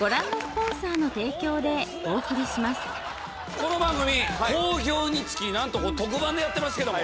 この番組好評につき何と特番でやってますけども。